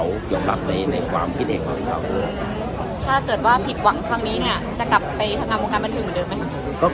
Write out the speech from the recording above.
ถ้าเกิดว่าผิดหวังครั้งนี้เนี่ยจะกลับไปทางงานบวกการบรรเทิงเหมือนเดิมไหมครับ